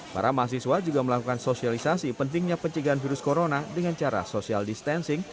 para mahasiswa juga melakukan sosialisasi pentingnya pencegahan virus corona dengan cara social distancing